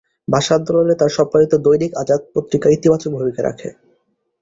ভাষা আন্দোলনে তার সম্পাদিত 'দৈনিক আজাদ' পত্রিকা ইতিবাচক ভূমিকা রাখে।